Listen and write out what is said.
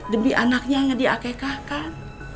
demi anaknya di akikahkan